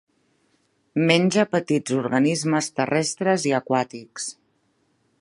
Menja petits organismes terrestres i aquàtics.